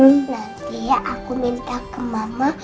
nanti ya aku minta ke mama